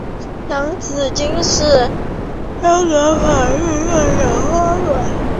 洋紫荆是香港法定代表花卉。